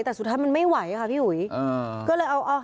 แต่สุดท้ายมันไม่ไหวค่ะพี่อุ๋ยก็เลยเอา